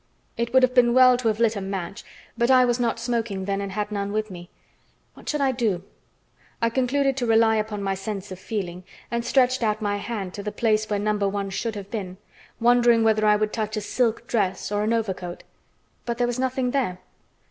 It would have been well to have lit a match, but I was not smoking then and had none with me. What should I do? I concluded to rely upon my sense of feeling, and stretched out my hand to the place where No. 1 should have been, wondering whether I would touch a silk dress or an overcoat, but there was nothing there.